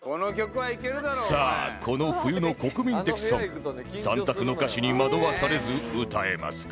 さあこの冬の国民的ソング３択の歌詞に惑わされず歌えますか？